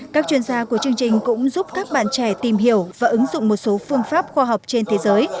các chuyên gia của chương trình cũng giúp các bạn trẻ tìm hiểu và ứng dụng một số phương pháp khoa học trên thế giới